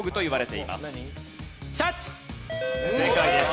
正解です。